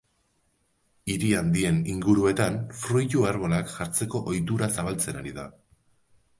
Hiri handien inguruetan fruitu arbolak jartzeko ohitura zabaltzen ari da.